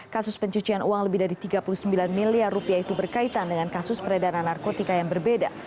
kasus pencucian uang lebih dari tiga puluh sembilan miliar rupiah itu berkaitan dengan kasus peredaran narkotika yang berbeda